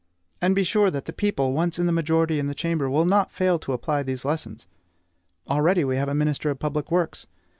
And be sure that the people, once in the majority in the Chamber, will not fail to apply these lessons. Already we have a minister of public works.